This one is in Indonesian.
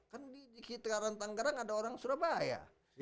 kan di kitaran tanggerang ada orang surabaya